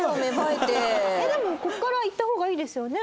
えっでもここから行った方がいいですよね。